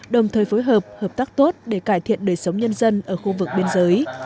đồng thời phối hợp hợp tác tốt để cải thiện đời sống nhân dân ở khu vực biên giới